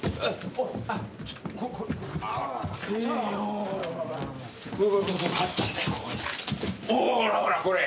おほらほらこれ！